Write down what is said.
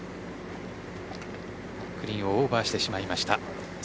グリーンをオーバーしてしまいました。